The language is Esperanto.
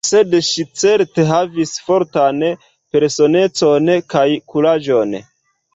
Sed ŝi certe havis fortan personecon kaj kuraĝon.